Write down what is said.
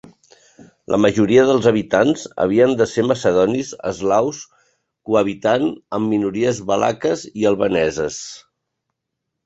La majoria dels habitants havien de ser macedonis eslaus, cohabitant amb minories valaques i albaneses.